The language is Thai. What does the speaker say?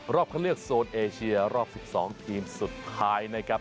เข้าเลือกโซนเอเชียรอบ๑๒ทีมสุดท้ายนะครับ